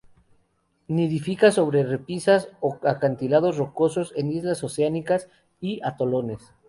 Nidifica sobre repisas o acantilados rocosos en islas oceánicas y atolones.